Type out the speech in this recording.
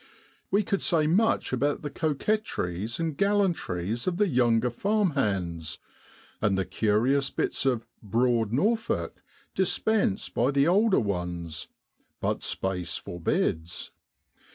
We could say much about the coquetries and gallantries of the younger farm hands, and the curious bits of 138 DECEMBER IN BROADLAND. 6 broad Norfolk ' dispensed by the older ones, but space forbids.